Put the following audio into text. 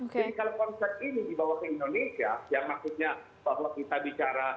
jadi kalau konsep ini dibawa ke indonesia yang maksudnya bahwa kita bicara